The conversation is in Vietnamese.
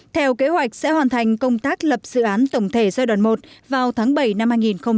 theo kế hoạch sẽ hoàn thành công tác lập dự án tổng thể giai đoạn một vào tháng bảy năm hai nghìn hai mươi